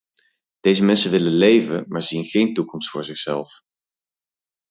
Deze mensen willen leven, maar zien geen toekomst voor zichzelf.